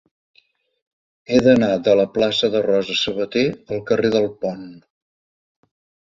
He d'anar de la plaça de Rosa Sabater al carrer del Pont.